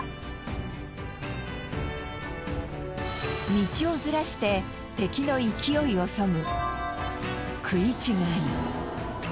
道をずらして敵の勢いをそぐ